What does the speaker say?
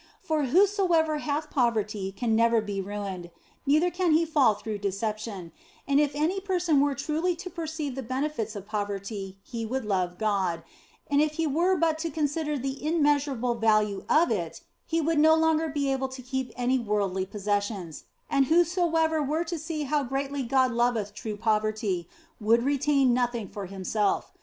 For whosoever hath poverty can never be ruined, neither can he fall through deception, and if any person were truly to per ceive the benefits of poverty he would love God, and if he were but to consider the immeasurable value of it he would no longer be able to keep any worldly possessions, and whosoever were to see how greatly God loveth true poverty, would retain nothing for himself.